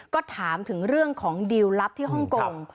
ก็ถามถึงเรื่องของดีลลับที่ฮ่องกง